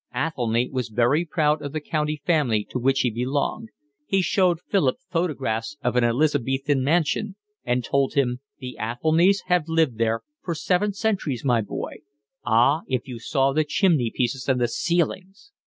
Athelny was very proud of the county family to which he belonged; he showed Philip photographs of an Elizabethan mansion, and told him: "The Athelnys have lived there for seven centuries, my boy. Ah, if you saw the chimney pieces and the ceilings!"